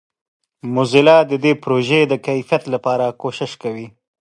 موزیلا د دې پروژې د کیفیت لپاره کوښښ کوي.